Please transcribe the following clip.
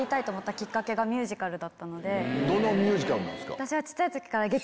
どのミュージカルなんですか？